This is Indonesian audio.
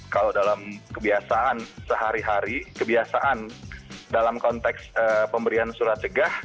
kalau dalam kebiasaan sehari hari kebiasaan dalam konteks pemberian surat cegah